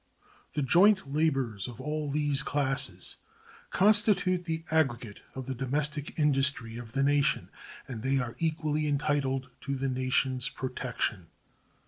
The joint labors of all these classes constitute the aggregate of the "domestic industry" of the nation, and they are equally entitled to the nation's "protection."